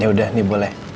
yaudah ini boleh